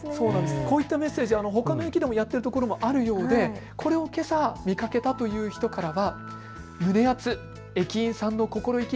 こういったメッセージ、ほかの駅でもやっているところがあるようでこれをけさ見かけたという方からは。